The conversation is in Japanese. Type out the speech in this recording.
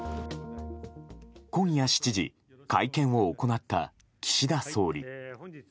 今夜７時、会見を行った岸田総理。